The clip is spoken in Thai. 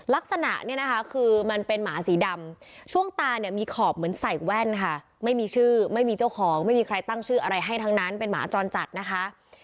ลักษณะเนี่ยนะคะคือมันเป็นหมาสีดำช่วงตาเนี่ยมีขอบเหมือนใส่แว่นค่ะไม่มีชื่อไม่มีเจ้าของไม่มีใครตั้งชื่ออะไรให้ทั้งนั้นเป็นหมาจรจัดนะคะ